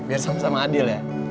biar sama sama adil ya